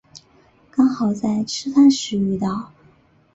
刚好在吃饭时遇到